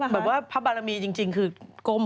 แบบว่าพระบารมีจริงคือก้ม